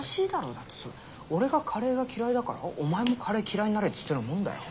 だってそれ俺がカレーが嫌いだからお前もカレー嫌いになれって言ってるようなもんだよ。